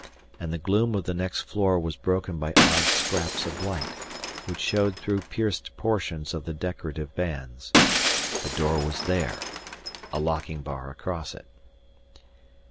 And the gloom of the next floor was broken by odd scraps of light which showed through pierced portions of the decorative bands. The door was there, a locking bar across it.